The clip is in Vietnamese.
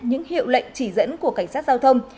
những hiệu lệnh chỉ dẫn của cảnh sát giao thông